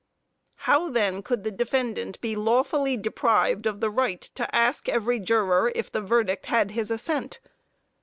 How then could the defendant be lawfully deprived of the right to ask every juror if the verdict had his assent?